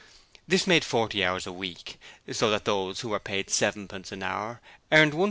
This made 40 hours a week, so that those who were paid sevenpence an hour earned £1.3.